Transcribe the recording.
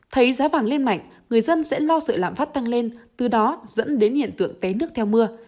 thấy giá vàng lên mạnh người dân sẽ lo sợ lạm phát tăng lên từ đó dẫn đến hiện tượng té nước theo mưa